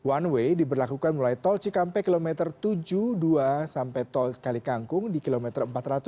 one way diberlakukan mulai tol cikampek kilometer tujuh puluh dua sampai tol kalikangkung di kilometer empat ratus tujuh puluh